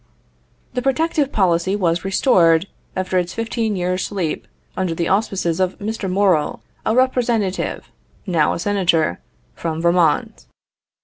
The protective policy was restored, after its fifteen years' sleep, under the auspices of Mr. Morrill, a Representative (now a Senator) from Vermont.